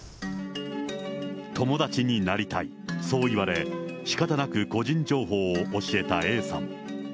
友だちになりたい、そう言われ、しかたなく個人情報を教えたＡさん。